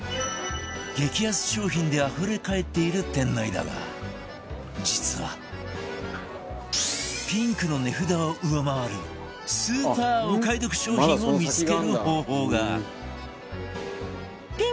激安商品であふれかえっている店内だが実はピンクの値札を上回るスーパーお買い得商品を見付ける方法が！